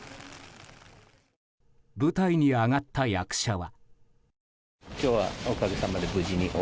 舞台に上がった役者は。